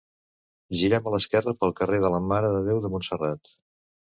girem a l'esquerra pel carrer de la mare de Déu de Montserrat